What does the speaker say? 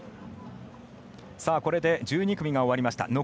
これで、１２組が終わりました。